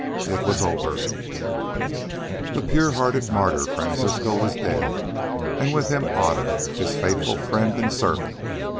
It was over; the pure hearted martyr, Francisco, was dead, and with him Otter, his faithful friend and servant.